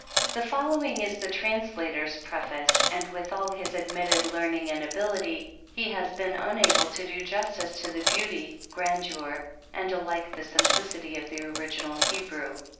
The following is the translator's preface, and with all his admitted learning and ability, he has been unable to do justice to the beauty, gran deur, and alike the simplicity of the original Hebrew.